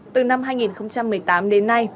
từ năm hai nghìn một mươi tám đến nay